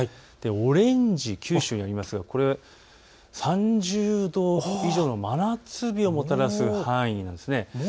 オレンジ、九州にありますが、これは３０度以上の真夏日をもたらす範囲です。